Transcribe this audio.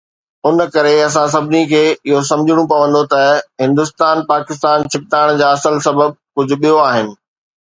ان ڪري، اسان سڀني کي اهو سمجهڻو پوندو ته هندستان-پاڪستان ڇڪتاڻ جا اصل سبب ڪجهه ٻيو آهن.